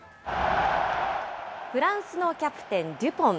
フランスのキャプテン、デュポン。